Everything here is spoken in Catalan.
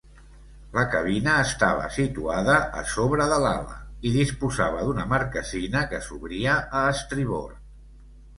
La cabina estava situada a sobre de l'ala i disposava d'una marquesina que s'obria a estribord.